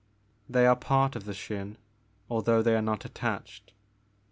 They are part of the Xin although they are not attached.